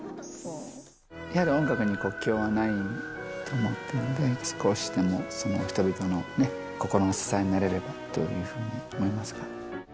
音楽に国境はないと思っているので、少しでも人々の心の支えになれればというふうに思いますが。